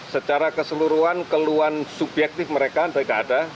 secara keseluruhan keluhan subjektif mereka mereka ada